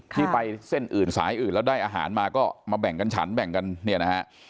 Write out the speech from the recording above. ที่ไปเส้นอื่นสายอื่นแล้วได้อาหารมาก็มาแบ่งกันฉันแบ่งกันเนี่ยนะฮะ